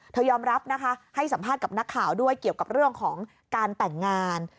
ยอมรับนะคะให้สัมภาษณ์กับนักข่าวด้วยเกี่ยวกับเรื่องของการแต่งงาน